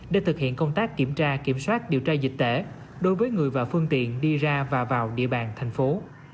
để thực hiện công tác kiểm tra kiểm soát điều tra dịch tễ đối với người và phương tiện đi ra và vào địa bàn thành phố